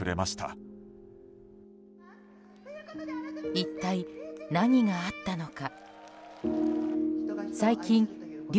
一体、何があったのか。